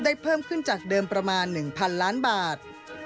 เพิ่มขึ้นจากเดิมประมาณ๑๐๐๐ล้านบาท